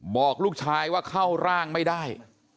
บอกลูกชายว่าเข้าร่างไม่ได้